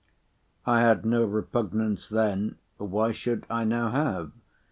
I had no repugnance then—why should I now have?